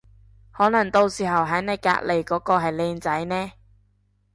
可能到時喺你隔離嗰個係靚仔呢